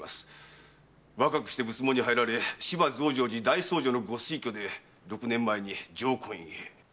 若くして仏門に入られ芝増上寺大僧正のご推挙で六年前に浄光院へ。